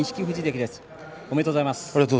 ありがとうございます。